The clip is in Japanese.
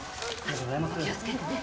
気をつけてね。